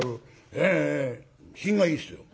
ええ品がいいですよ。